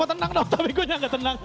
gak tenang tapi gue nyangka tenang